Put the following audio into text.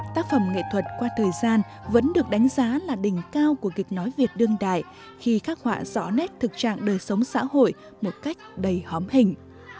tác phẩm nghệ thuật qua thời gian vẫn được đánh giá là đỉnh cao của kịch nói việt đương đại khi khắc họa rõ nét thực trạng đời sống xã hội một cách đầy hóm hình